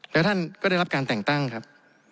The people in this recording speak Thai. แล้วท่านก็ได้รับการแต่งตั้งครับ